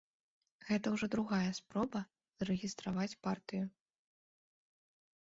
Гэта ўжо другая спроба зарэгістраваць партыю.